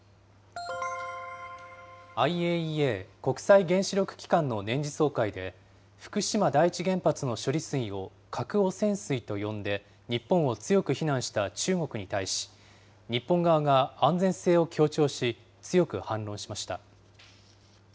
ＩＡＥＡ・国際原子力機関の年次総会で、福島第一原発の処理水を核汚染水と呼んで日本を強く非難した中国に対し、日本側が安全性を強調し、強く反論しました。